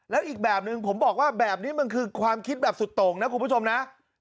แล้วอีกแบบหนึ่งผมบอกว่าแบบนี้มันคือความคิดแบบสุดโต่งนะคุณผู้ชมนะ